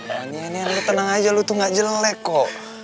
ya nian nian lo tenang aja lo tuh gak jelek kok